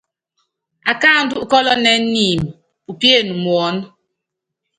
Akáandú ukɔ́lɔnɛ́ niimi, upíene muɔ́nɔ.